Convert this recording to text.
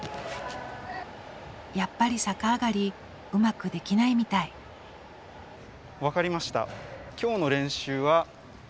やっぱり逆上がりうまくできないみたい先生